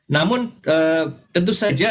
namun tentu saja